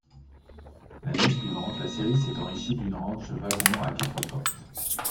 L'année suivante, la série s'est enrichie d'une Ranch wagon à quatre portes.